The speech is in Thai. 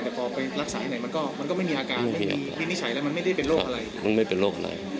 แต่พอไปรักษาไอ้ไหนมันก็ไม่มีอาการไม่มีนิจฉัยแล้วมันไม่ได้เป็นโรคอะไร